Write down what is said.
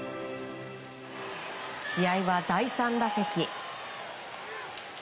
試合は第３打席。